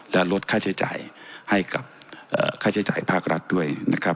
และลดค่าใช้จ่ายให้กับค่าใช้จ่ายภาครัฐด้วยนะครับ